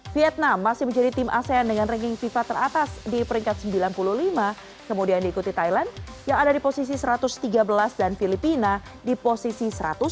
vietnam masih menjadi tim asean dengan ranking fifa teratas di peringkat sembilan puluh lima kemudian diikuti thailand yang ada di posisi satu ratus tiga belas dan filipina di posisi satu ratus enam puluh